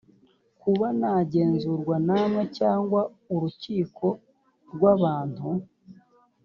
kuba nagenzurwa namwe cyangwa urukiko rw abantu